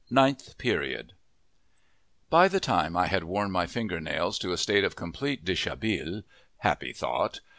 NINTH PERIOD By the time I had worn my finger nails to a state of complete dishabille happy thought!